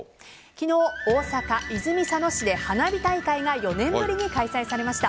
昨日、大阪・泉佐野市で花火大会が４年ぶりに開催されました。